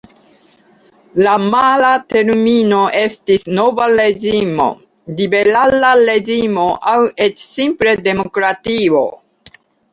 La mala termino estis Nova Reĝimo, Liberala Reĝimo aŭ eĉ simple Demokratio.